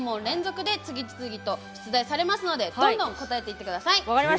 次々と出題されますのでどんどん答えていってください！